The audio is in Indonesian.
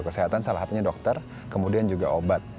kesehatan salah satunya dokter kemudian juga obat